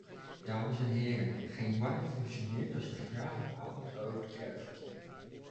Dames en heren, geen markt functioneert als de vraag het aanbod overtreft.